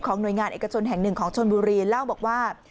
หน่วยงานเอกชนแห่งหนึ่งของชนบุรีเล่าบอกว่า